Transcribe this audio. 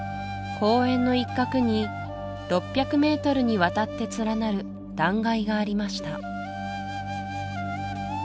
公園の一角に６００ｍにわたって連なる断崖がありました